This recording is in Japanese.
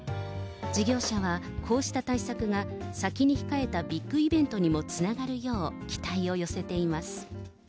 事業者は、こうした対策が先に控えたビッグイベントにもつながるよう、期待を寄せています。